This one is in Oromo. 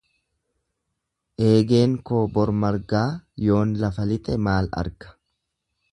Eegeen koo bor margaa yoon lafa lixe maal arga.